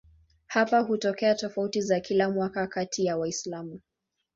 Hapa hutokea tofauti za kila mwaka kati ya Waislamu.